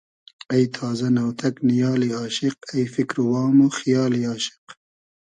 اݷ تازۂ ، نۆتئگ نیالی آشیق اݷ فیکر و وام و خیالی آشیق